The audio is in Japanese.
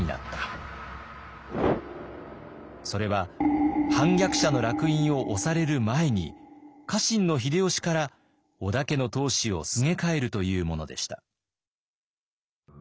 それは反逆者のらく印を押される前に家臣の秀吉から織田家の当主をすげ替えるというものでした。